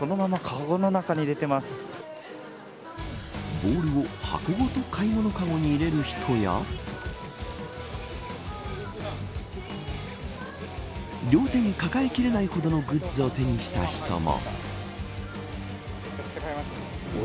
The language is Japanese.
ボールを箱ごと買い物かごに入れる人や両手に抱えきれないほどのグッズを手にした人も。